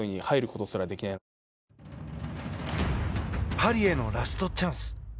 パリへのラストチャンス。